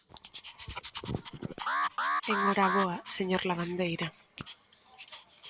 ¡En hora boa, señor Lavandeira!